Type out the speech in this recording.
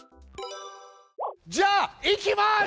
じゃあいきます！